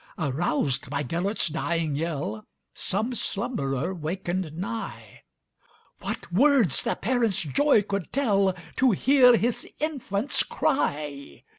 Aroused by Gêlert's dying yell, Some slumberer wakened nigh:What words the parent's joy could tellTo hear his infant's cry!